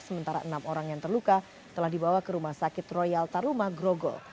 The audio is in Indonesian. sementara enam orang yang terluka telah dibawa ke rumah sakit royal taruma grogol